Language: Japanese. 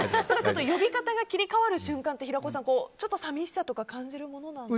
呼び方が切り替わる瞬間って平子さん、ちょっと寂しさとか感じるものですか？